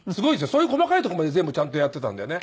そういう細かいとこまで全部ちゃんとやっていたんだよね。